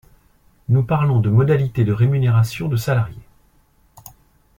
Nous parlons de modalités de rémunération de salariés.